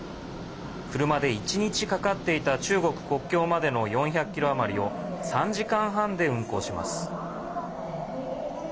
車で１日かかっていた中国国境までの４００ｋｍ余りを３時間半で運行します。